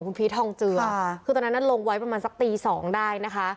คุณพีชทองเจือคือตอนนั้นลงไว้ประมาณสักตีสองได้นะคะ